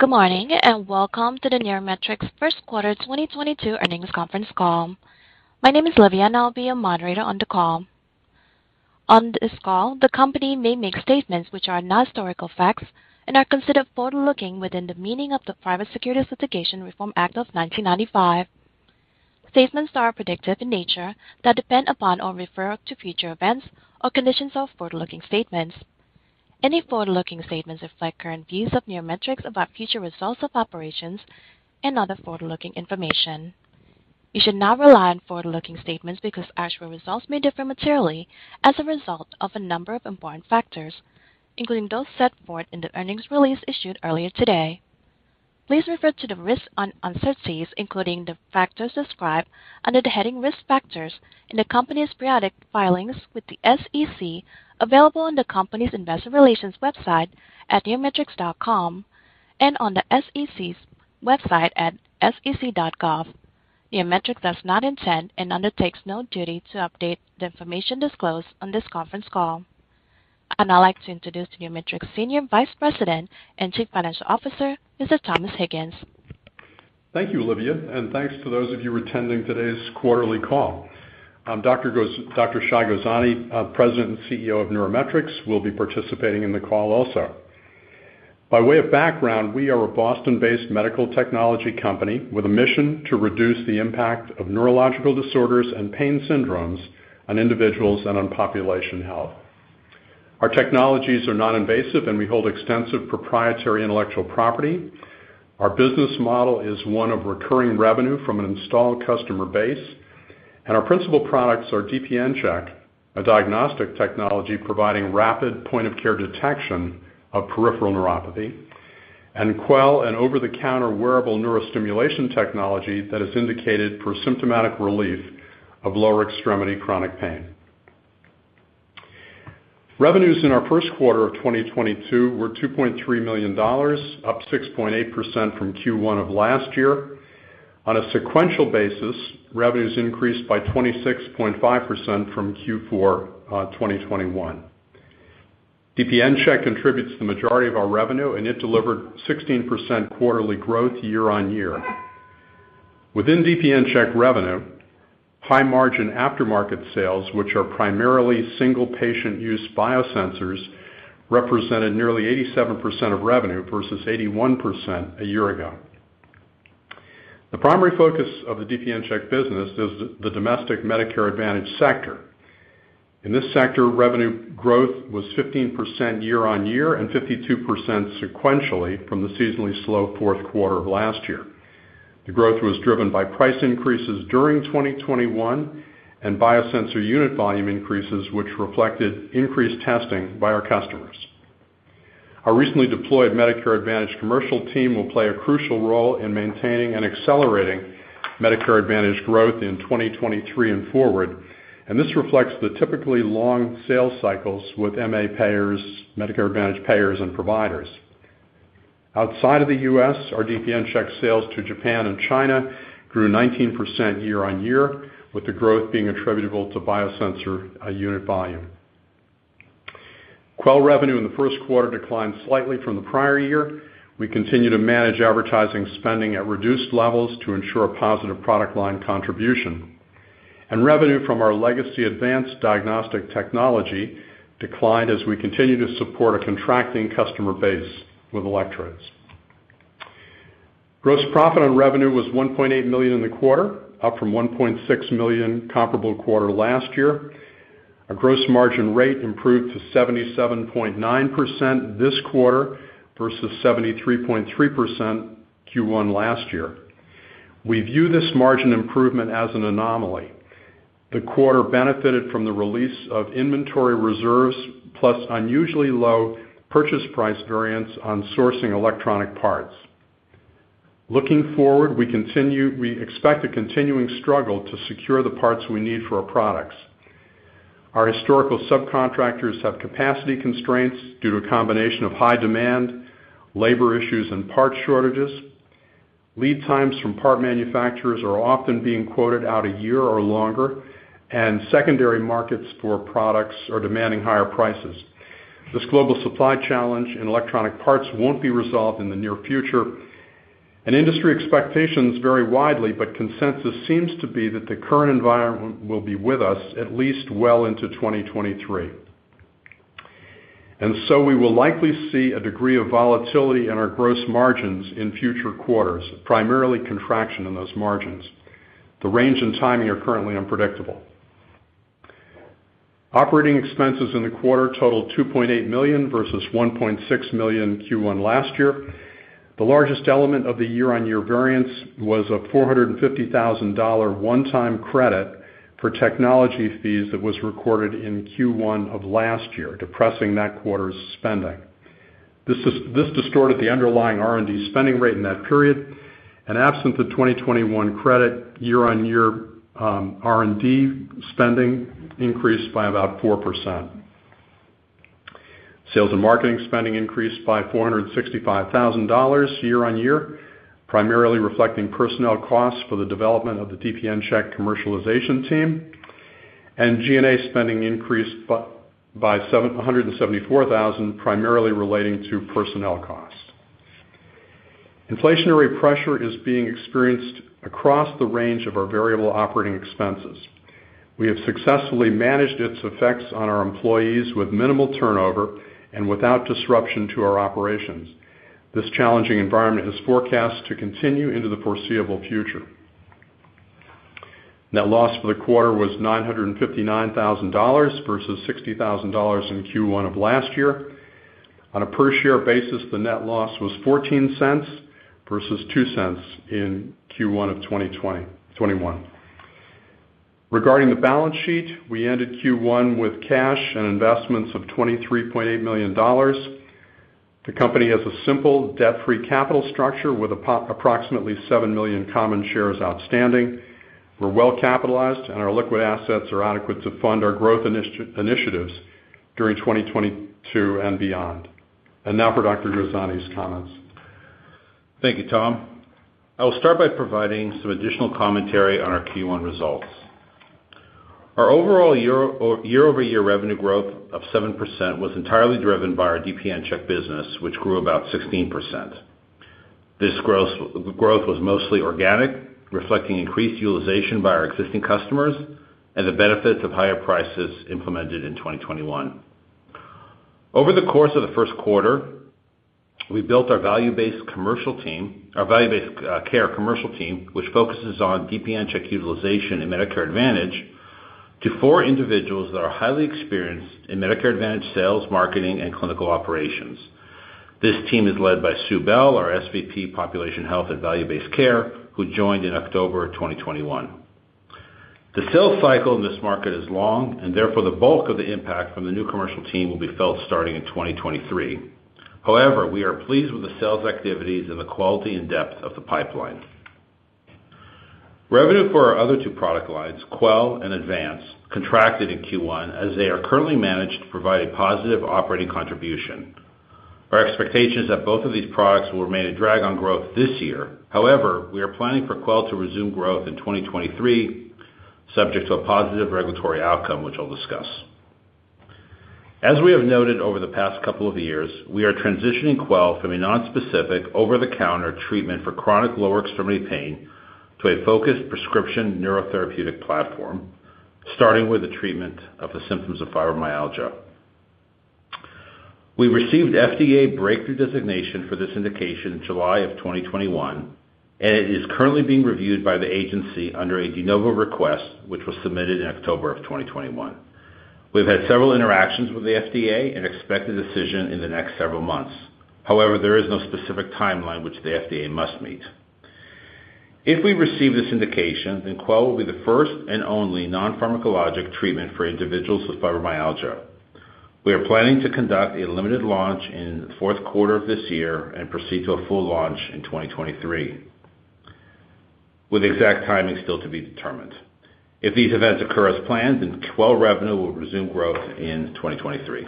Good morning, and welcome to the NeuroMetrix first quarter 2022 earnings conference call. My name is Olivia and I'll be your moderator on the call. On this call, the company may make statements which are not historical facts and are considered forward-looking within the meaning of the Private Securities Litigation Reform Act of 1995. Statements that are predictive in nature that depend upon or refer to future events or conditions are forward-looking statements. Any forward-looking statements reflect current views of NeuroMetrix about future results of operations and other forward-looking information. You should not rely on forward-looking statements because actual results may differ materially as a result of a number of important factors, including those set forth in the earnings release issued earlier today. Please refer to the risks and uncertainties, including the factors described under the heading Risk Factors in the company's periodic filings with the SEC, available on the company's investor relations website at neurometrix.com and on the SEC's website at sec.gov. NeuroMetrix does not intend and undertakes no duty to update the information disclosed on this conference call. I'd now like to introduce NeuroMetrix Senior Vice President and Chief Financial Officer, Mr. Tom Higgins. Thank you, Olivia, and thanks to those of you attending today's quarterly call. Dr. Shai Gozani, President and CEO of NeuroMetrix, will be participating in the call also. By way of background, we are a Boston-based medical technology company with a mission to reduce the impact of neurological disorders and pain syndromes on individuals and on population health. Our technologies are non-invasive, and we hold extensive proprietary intellectual property. Our business model is one of recurring revenue from an installed customer base, and our principal products are DPNCheck, a diagnostic technology providing rapid point-of-care detection of peripheral neuropathy, and Quell, an over-the-counter wearable neurostimulation technology that is indicated for symptomatic relief of lower extremity chronic pain. Revenues in our first quarter of 2022 were $2.3 million, up 6.8% from Q1 of last year. On a sequential basis, revenues increased by 26.5% from Q4 of 2021. DPNCheck contributes the majority of our revenue, and it delivered 16% quarterly growth year-over-year. Within DPNCheck revenue, high margin aftermarket sales, which are primarily single patient use biosensors, represented nearly 87% of revenue versus 81% a year ago. The primary focus of the DPNCheck business is the domestic Medicare Advantage sector. In this sector, revenue growth was 15% year-over-year and 52% sequentially from the seasonally slow fourth quarter of last year. The growth was driven by price increases during 2021 and biosensor unit volume increases, which reflected increased testing by our customers. Our recently deployed Medicare Advantage commercial team will play a crucial role in maintaining and accelerating Medicare Advantage growth in 2023 and forward. This reflects the typically long sales cycles with MA payers, Medicare Advantage payers and providers. Outside of the U.S., our DPNCheck sales to Japan and China grew 19% year-over-year, with the growth being attributable to biosensor unit volume. Quell revenue in the first quarter declined slightly from the prior year. We continue to manage advertising spending at reduced levels to ensure a positive product line contribution. Revenue from our legacy advanced diagnostic technology declined as we continue to support a contracting customer base with electrodes. Gross profit on revenue was $1.8 million in the quarter, up from $1.6 million comparable quarter last year. Our gross margin rate improved to 77.9% this quarter versus 73.3% Q1 last year. We view this margin improvement as an anomaly. The quarter benefited from the release of inventory reserves plus unusually low purchase price variance on sourcing electronic parts. Looking forward, we expect a continuing struggle to secure the parts we need for our products. Our historical subcontractors have capacity constraints due to a combination of high demand, labor issues and parts shortages. Lead times from part manufacturers are often being quoted out a year or longer, and secondary markets for products are demanding higher prices. This global supply challenge in electronic parts won't be resolved in the near future, and industry expectations vary widely, but consensus seems to be that the current environment will be with us at least well into 2023. We will likely see a degree of volatility in our gross margins in future quarters, primarily contraction in those margins. The range and timing are currently unpredictable. Operating expenses in the quarter totaled $2.8 million versus $1.6 million Q1 last year. The largest element of the year-over-year variance was a $450,000 one-time credit for technology fees that was recorded in Q1 of last year, depressing that quarter's spending. This distorted the underlying R&D spending rate in that period, and absent the 2021 credit, year-over-year, R&D spending increased by about 4%. Sales and marketing spending increased by $465,000 year-over-year, primarily reflecting personnel costs for the development of the DPNCheck commercialization team and G&A spending increased by $174,000, primarily relating to personnel costs. Inflationary pressure is being experienced across the range of our variable operating expenses. We have successfully managed its effects on our employees with minimal turnover and without disruption to our operations. This challenging environment is forecast to continue into the foreseeable future. Net loss for the quarter was $959,000 versus $60,000 in Q1 of last year. On a per-share basis, the net loss was $0.14 versus $0.02 in Q1 of 2021. Regarding the balance sheet, we ended Q1 with cash and investments of $23.8 million. The company has a simple debt-free capital structure with approximately 7 million common shares outstanding. We're well capitalized, and our liquid assets are adequate to fund our growth initiatives during 2022 and beyond. Now for Dr. Gozani's comments. Thank you, Tom. I'll start by providing some additional commentary on our Q1 results. Our overall year-over-year revenue growth of 7% was entirely driven by our DPNCheck business, which grew about 16%. This growth was mostly organic, reflecting increased utilization by our existing customers and the benefits of higher prices implemented in 2021. Over the course of the first quarter, we built our value-based care commercial team, which focuses on DPNCheck utilization and Medicare Advantage, to four individuals that are highly experienced in Medicare Advantage sales, marketing, and clinical operations. This team is led by Sue Bell, our SVP Population Health and Value-Based Care, who joined in October 2021. The sales cycle in this market is long, and therefore the bulk of the impact from the new commercial team will be felt starting in 2023. However, we are pleased with the sales activities and the quality and depth of the pipeline. Revenue for our other two product lines, Quell and ADVANCE, contracted in Q1 as they are currently managed to provide a positive operating contribution. Our expectation is that both of these products will remain a drag on growth this year. However, we are planning for Quell to resume growth in 2023, subject to a positive regulatory outcome, which I'll discuss. As we have noted over the past couple of years, we are transitioning Quell from a non-specific over-the-counter treatment for chronic lower extremity pain to a focused prescription neurotherapeutic platform, starting with the treatment of the symptoms of fibromyalgia. We received FDA Breakthrough designation for this indication in July of 2021, and it is currently being reviewed by the agency under a De Novo request, which was submitted in October of 2021. We've had several interactions with the FDA and expect a decision in the next several months. However, there is no specific timeline which the FDA must meet. If we receive this indication, then Quell will be the first and only non-pharmacologic treatment for individuals with fibromyalgia. We are planning to conduct a limited launch in the fourth quarter of this year and proceed to a full launch in 2023, with the exact timing still to be determined. If these events occur as planned, then Quell revenue will resume growth in 2023.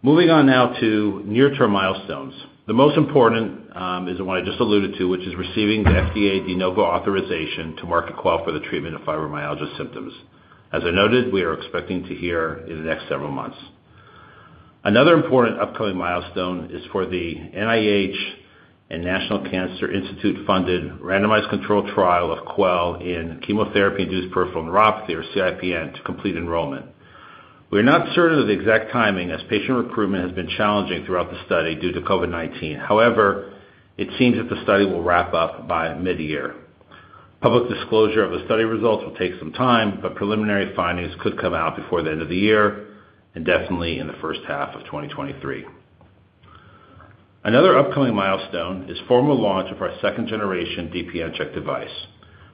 Moving on now to near-term milestones. The most important is the one I just alluded to, which is receiving the FDA de novo authorization to market Quell for the treatment of fibromyalgia symptoms. As I noted, we are expecting to hear in the next several months. Another important upcoming milestone is for the NIH and National Cancer Institute-funded randomized controlled trial of Quell in chemotherapy-induced peripheral neuropathy, or CIPN, to complete enrollment. We are not certain of the exact timing, as patient recruitment has been challenging throughout the study due to COVID-19. However, it seems that the study will wrap up by mid-year. Public disclosure of the study results will take some time, but preliminary findings could come out before the end of the year and definitely in the first half of 2023. Another upcoming milestone is formal launch of our second-generation DPNCheck device.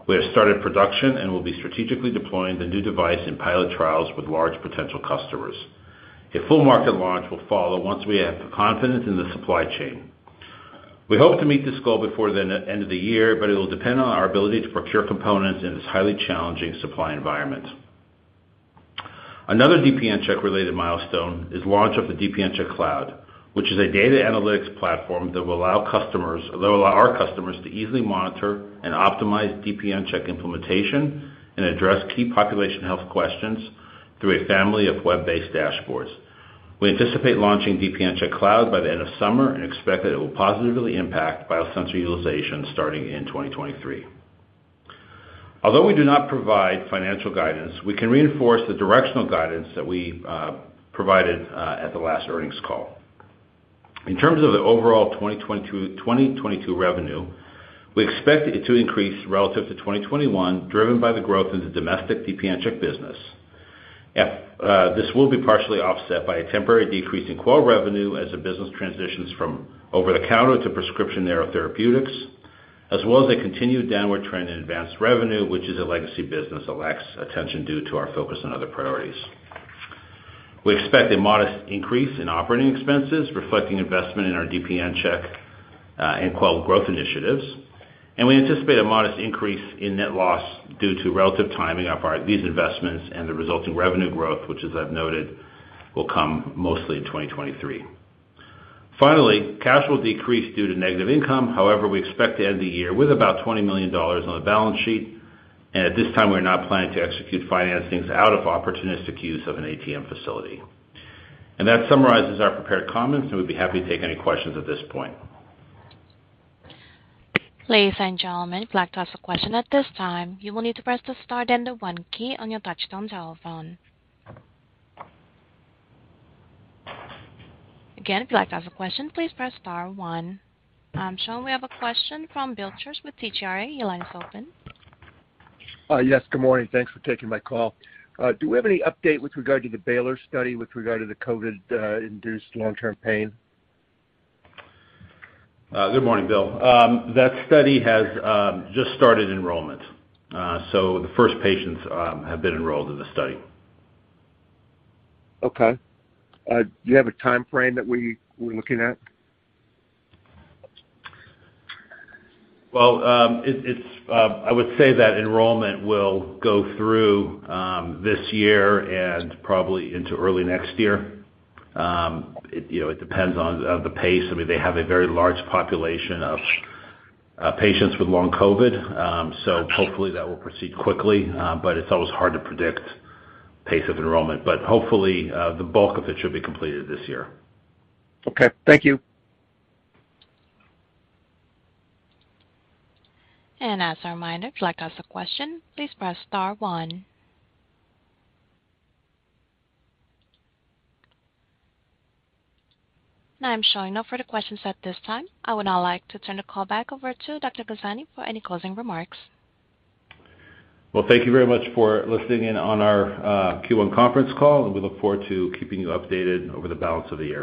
We have started production and will be strategically deploying the new device in pilot trials with large potential customers. A full market launch will follow once we have confidence in the supply chain. We hope to meet this goal before the end of the year, but it will depend on our ability to procure components in this highly challenging supply environment. Another DPNCheck-related milestone is launch of the DPNCheck Cloud, which is a data analytics platform that will allow our customers to easily monitor and optimize DPNCheck implementation and address key population health questions through a family of web-based dashboards. We anticipate launching DPNCheck Cloud by the end of summer and expect that it will positively impact biosensor utilization starting in 2023. Although we do not provide financial guidance, we can reinforce the directional guidance that we provided at the last earnings call. In terms of the overall 2022 revenue, we expect it to increase relative to 2021, driven by the growth in the domestic DPNCheck business. This will be partially offset by a temporary decrease in Quell revenue as the business transitions from over-the-counter to prescription neurotherapeutics, as well as a continued downward trend in ADVANCE revenue, which is a legacy business that lacks attention due to our focus on other priorities. We expect a modest increase in operating expenses, reflecting investment in our DPNCheck and Quell growth initiatives, and we anticipate a modest increase in net loss due to relative timing of these investments and the resulting revenue growth, which as I've noted, will come mostly in 2023. Finally, cash will decrease due to negative income. However, we expect to end the year with about $20 million on the balance sheet. At this time, we're not planning to execute financings out of opportunistic use of an ATM facility. That summarizes our prepared comments, and we'd be happy to take any questions at this point. Ladies and gentlemen, if you'd like to ask a question at this time, you will need to press the star then the one key on your touchtone telephone. Again, if you'd like to ask a question, please press star one. I am sure we have a question from Bill. [inaudible] Your line is open. Yes, good morning. Thanks for taking my call. Do we have any update with regard to the Baylor study with regard to the COVID-induced long-term pain? Good morning, Bill. That study has just started enrollment. The first patients have been enrolled in the study. Okay. Do you have a time frame that we're looking at? Well, I would say that enrollment will go through this year and probably into early next year. You know, it depends on the pace. I mean, they have a very large population of patients with long COVID. So hopefully that will proceed quickly. It's always hard to predict pace of enrollment. Hopefully, the bulk of it should be completed this year. Okay. Thank you. As a reminder, if you'd like to ask a question, please press star one. Now I'm showing no further questions at this time. I would now like to turn the call back over to Dr. Gozani for any closing remarks. Well, thank you very much for listening in on our Q1 conference call, and we look forward to keeping you updated over the balance of the year.